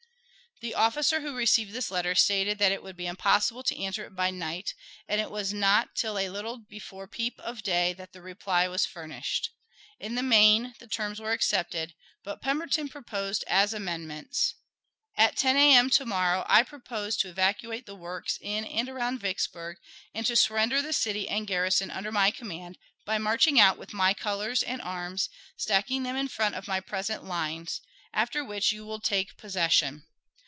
The officer who received this letter stated that it would be impossible to answer it by night, and it was not till a little before peep of day that the reply was furnished. In the main the terms were accepted, but Pemberton proposed as amendments: At 10 A.M. to morrow I propose to evacuate the works in and around Vicksburg, and to surrender the city and garrison under my command by marching out with my colors and arms, stacking them in front of my present lines, after which you will take possession.